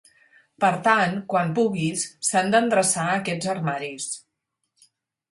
Per tant, quan puguis, s'han d'endreçar aquests armaris.